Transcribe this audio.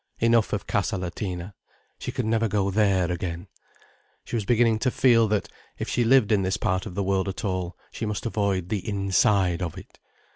Enough of Casa Latina. She would never go there again. She was beginning to feel that, if she lived in this part of the world at all, she must avoid the inside of it.